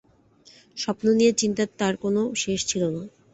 স্বপ্ন নিয়ে চিন্তার তাঁর কোনো শেষ ছিল না।